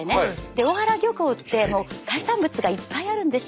大原漁港って海産物がいっぱいあるんですよ。